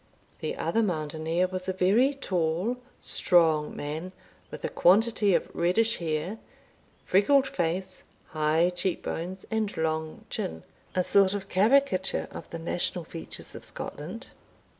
The other mountaineer was a very tall, strong man, with a quantity of reddish hair, freckled face, high cheek bones, and long chin a sort of caricature of the national features of Scotland.